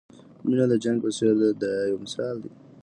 مینه د جنګ په څېر ده دا یو مثال دی.